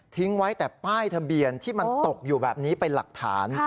ไว้แต่ป้ายทะเบียนที่มันตกอยู่แบบนี้เป็นหลักฐาน